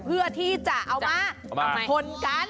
เพื่อที่จะเอามาทนกัน